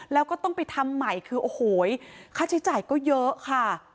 แล้วก็ต้องไปทำใหม่คือโอ้โหค่าใช้จ่ายก็เยอะค่ะ